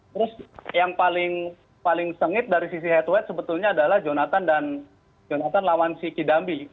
terus yang paling sengit dari sisi head to head sebetulnya adalah jonathan dan jonathan lawan sikidambi